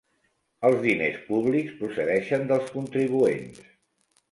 Els diners públics procedeixen dels contribuents.